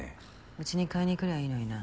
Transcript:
うちに借りに来りゃいいのにな。